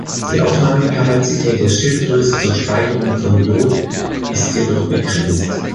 Die Aufnahmekapazität der Schilddrüse zur Speicherung von Iod ist jedoch begrenzt.